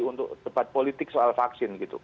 untuk debat politik soal vaksin gitu